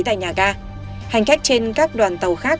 tại nhà ga hành khách trên các đoàn tàu khác